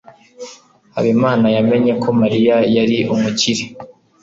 habimana yamenye ko mariya yari umukire